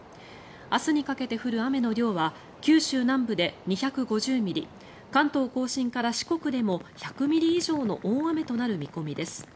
明日にかけて降る雨の量は九州南部で２５０ミリ関東・甲信から四国でも１００ミリ以上の大雨となる見込みです。